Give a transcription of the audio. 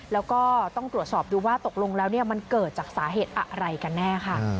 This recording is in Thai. แล้วก็ต้องตรวจสอบดูว่าตกลงแล้วมันเกิดจากสาเหตุอะไรกันแน่ค่ะ